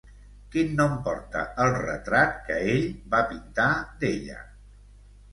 Quin nom porta el retrat que ell va pintar d'ella?